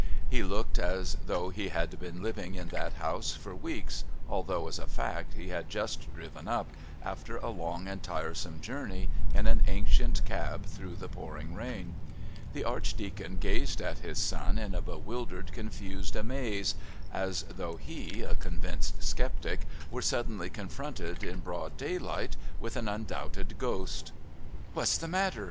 He looked as though he had been living in that house for weeks, although, as a fact, he had just driven up, after a long and tiresome journey, in an ancient cab through the pouring rain. The Archdeacon gazed at his son in a bewildered, confused amaze, as though he, a convinced sceptic, were suddenly confronted, in broad daylight, with an undoubted ghost. "What's the matter?"